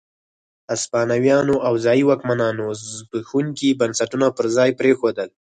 هسپانويانو او ځايي واکمنانو زبېښونکي بنسټونه پر ځای پرېښودل.